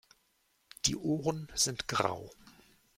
Die Ohren sind grau.